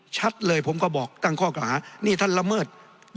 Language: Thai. ชัดเลยผมก็บอกตั้งข้อกล่าหานี่ท่านละเมิด